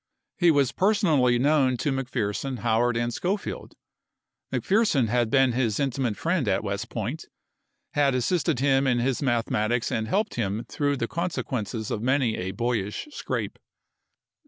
He was personally known to McPherson, Howard, and Schofield. McPherson had been his intimate friend at West Point ; had assisted him in his mathematics and helped him through the consequences of many a boyish scrape.